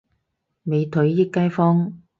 美腿益街坊